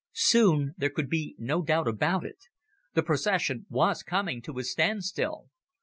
Soon there could be no doubt about it. The procession was coming to a standstill.